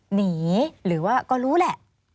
หนีหรือว่าก็รู้แหละ